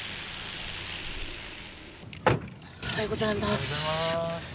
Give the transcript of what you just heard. おはようございます。